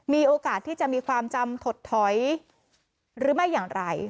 มีโอกาสที่จะมีความจำถดถอยหรือไม่อย่างไร